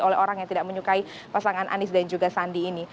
oleh orang yang tidak menyukai pasangan anies dan juga sandi ini